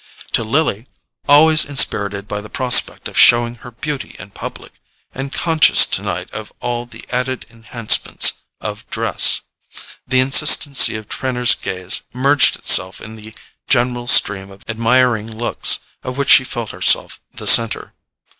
To Lily, always inspirited by the prospect of showing her beauty in public, and conscious tonight of all the added enhancements of dress, the insistency of Trenor's gaze merged itself in the general stream of admiring looks of which she felt herself the centre.